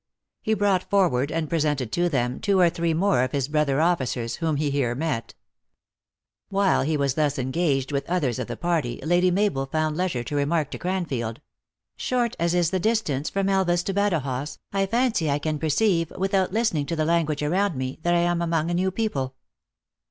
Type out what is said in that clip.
He brought forward and presented to them two or three more of his brother officers whom he here met. While he was thus engaged with others of the party, Lady Mabel found leisure to remark to Crari field : "Short as is the distance from Elvas to Bada I THE ACTEESS IN HIGH LIFE. 293 joz, I fancy I can perceive, without listening to the language around me, that I am among a new people."